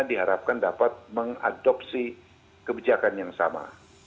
diharapkan dapat mengadopsi kebijakan yang sama